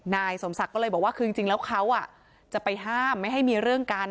นายสมศักดิ์ก็เลยบอกว่าคือจริงแล้วเขาจะไปห้ามไม่ให้มีเรื่องกัน